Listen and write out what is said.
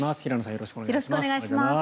よろしくお願いします。